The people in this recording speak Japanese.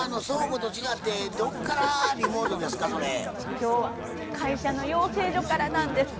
今日は会社の養成所からなんです。